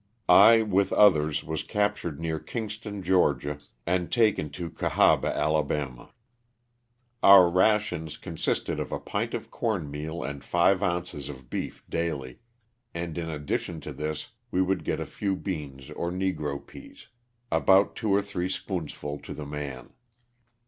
I. with others, was captured near Kingston, Ga., and taken to Cahaba, Ala. Our rations consisted of a pint of corn meal and five ounces of beef daily, and in addition to this we would get a few beans or negro peas — about two or three spoonsful to the man.